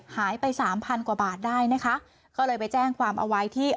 หายไปสามพันกว่าบาทได้นะคะก็เลยไปแจ้งความเอาไว้ที่